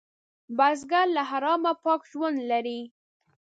بزګر له حرامه پاک ژوند لري